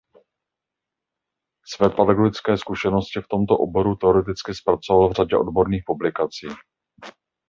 Své pedagogické zkušenosti v tomto oboru teoreticky zpracoval v řadě odborných publikací.